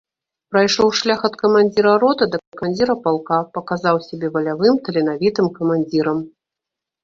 Прайшоў шлях ад камандзіра роты да камандзіра палка, паказаў сябе валявым, таленавітым камандзірам.